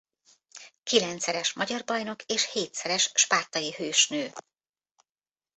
Kilencszeres magyar bajnok és hétszeres spártai hősnő.